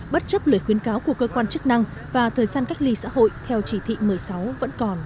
bất chấp lời khuyến cáo của cơ quan chức năng và thời gian cách ly xã hội theo chỉ thị một mươi sáu vẫn còn